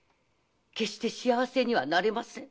決して幸せにはなれませぬ。